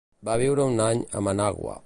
Va viure un any a Managua.